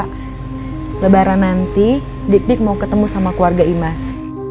mungkin lebaran nanti dikdik mau ketemu sama keluarga imas